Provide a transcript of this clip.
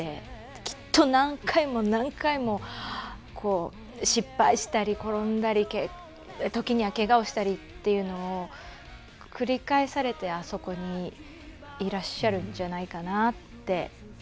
きっと何回も何回も失敗したり、転んだり時には、けがをしたりというのを繰り返されてあそこにいらっしゃるんじゃないかなって。